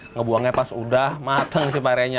ngebuangnya pas sudah matang pare nya